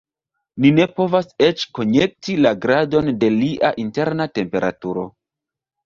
Ni ne povas eĉ konjekti la gradon de lia interna temperaturo.